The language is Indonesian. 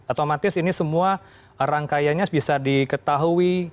otomatis ini semua rangkaiannya bisa diketahui